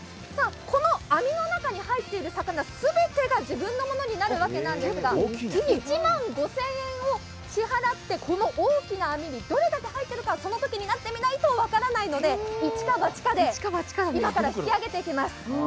この網の中に入っている魚すべてが自分のものになるんですが１万５０００円を支払って、この大きな網にどれだけ入っているか、そのときになってみないと分からないので、一か八かで今から引き揚げていきます。